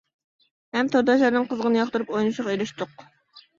ھەم تورداشلارنىڭ قىزغىن ياقتۇرۇپ ئوينىشىغا ئېرىشتۇق!